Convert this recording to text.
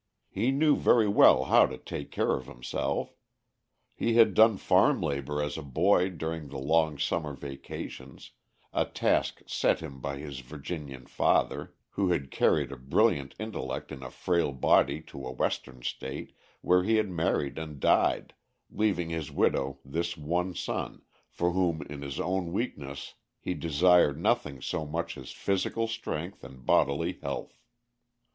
He knew very well how to take care of himself. He had done farm labor as a boy during the long summer vacations, a task set him by his Virginian father, who had carried a brilliant intellect in a frail body to a western state, where he had married and died, leaving his widow this one son, for whom in his own weakness he desired nothing so much as physical strength and bodily health.